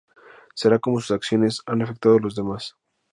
Será como sus acciones han afectado a los demás.